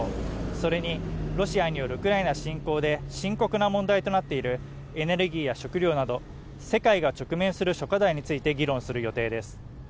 それにロシアによるウクライナ侵攻で深刻な問題となっているエネルギーや食料など、世界が直面する諸課題について議論する予定です。